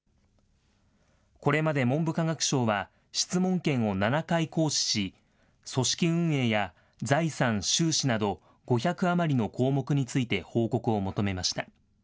これまで文部科学省は質問権を７回行使し、組織運営や財産・収支など５００余りの項目について報告を求めました。